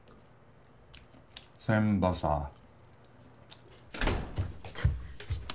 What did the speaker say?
「せんばさ」ん。